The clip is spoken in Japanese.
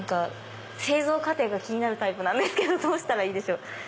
製造過程が気になるタイプですどうしたらいいでしょう。